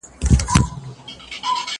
زه هره ورځ د سبا لپاره د نوي لغتونو يادوم؟!